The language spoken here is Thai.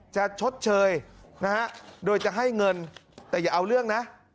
ชดเชยนะฮะโดยจะให้เงินแต่อย่าเอาเรื่องนะ